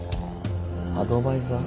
アドバイザー？